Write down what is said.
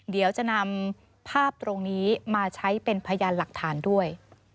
เดี๋ยวจะนำภาพตรงนี้มาใช้เป็นพยานหลักฐานด้วย